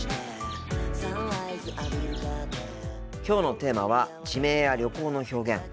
きょうのテーマは地名や旅行の表現。